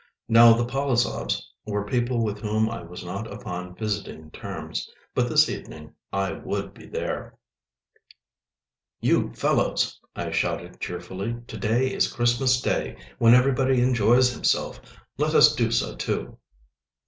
Now the Polozovs were people with whom I was not upon visiting terms. But this evening I would be there. "You fellows!" I shouted cheerfully, "to day is Christmas Day, when everybody enjoys himself. Let us do so too."